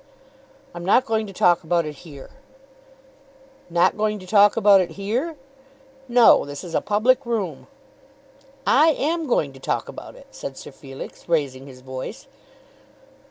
"I'm not going to talk about it here." "Not going to talk about it here?" "No. This is a public room." "I am going to talk about it," said Sir Felix, raising his voice.